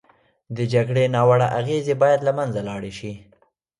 د جګړې ناوړه اغېزې باید له منځه لاړې شي.